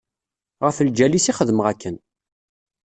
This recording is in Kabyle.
Ɣef lǧal-is i xedmeɣ akken.